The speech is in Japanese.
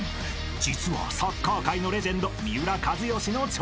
［実はサッカー界のレジェンド三浦知良の長男］